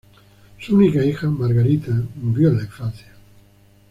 Su única hija, Margarita, murió en la infancia.